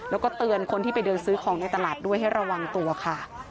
แล้วก็เตือนคนที่ไปเดินซื้อของในตลาดด้วยให้ระวังตัวค่ะ